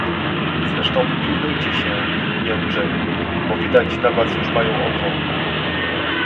"Zresztą pilnujcie się, Jędrzeju, bo widać na was już mają oko!"